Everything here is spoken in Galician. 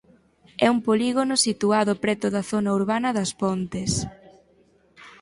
É un polígono situado preto da zona urbana das Pontes.